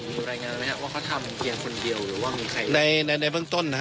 มีรายงานนะครับว่าเขาทำเพียงคนเดียวหรือว่ามีใคร